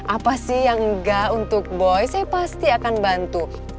apa sih yang enggak untuk boy saya pasti akan bantu